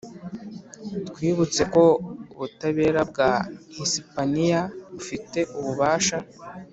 twibutse ko ubutabera bwa hisipaniya bufite ububasha